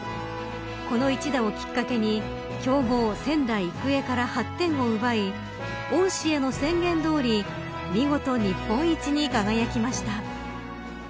この一打をきっかけに強豪、仙台育英から８点を奪い恩師への宣言どおり見事日本一に輝きました。